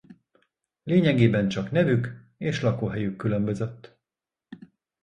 Lényegében csak nevük és lakóhelyük különbözött.